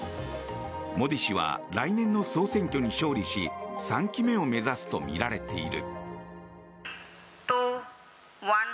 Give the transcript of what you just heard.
モディ氏は来年の総選挙に勝利し３期目を目指すとみられている。